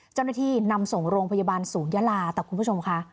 เจ้าหน้าที่นำส่งโรงพยาบาลศูนยาลาแต่คุณผู้ชมค่ะ